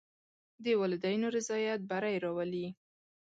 د والدینو رضایت بری راولي.